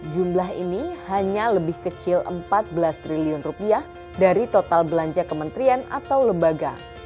jumlah ini hanya lebih kecil rp empat belas triliun rupiah dari total belanja kementerian atau lembaga